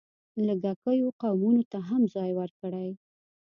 لږکیو قومونو ته هم ځای ورکړی.